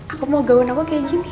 aku mau gaun aku seperti ini